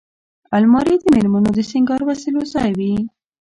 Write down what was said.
الماري د مېرمنو د سینګار وسیلو ځای وي